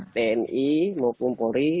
tni maupun polri